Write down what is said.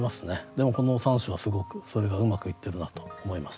でもこの３首はすごくそれがうまくいってるなと思いました。